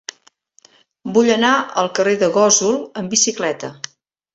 Vull anar al carrer de Gósol amb bicicleta.